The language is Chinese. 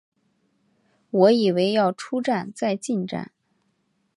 我以为要出站再进站